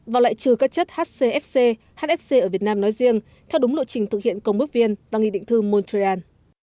và lại trừ các chất hcfc hfc ở việt nam nói riêng theo đúng lộ trình thực hiện công bức viên và nghị định thư montreal